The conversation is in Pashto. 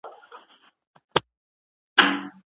په کار کي ګډون د زده کړي موثریت لوړوي.